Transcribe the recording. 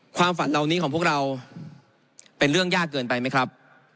ความฝันเหล่านี้ของพวกเราเป็นเรื่องยากเกินไปไหมครับ